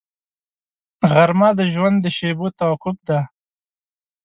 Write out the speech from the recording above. غرمه د ژوند د شېبو توقف دی